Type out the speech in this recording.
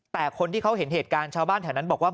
แต่คนที่เขาเห็นเหตุการณ์ชาวบ้านแถวนั้นบอกว่า